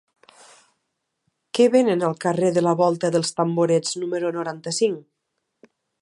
Què venen al carrer de la Volta dels Tamborets número noranta-cinc?